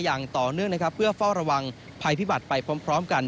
อย่างต่อเนื่องนะครับเพื่อเฝ้าระวังภัยพิบัตรไปพร้อมกัน